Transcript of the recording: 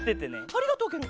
ありがとうケロ。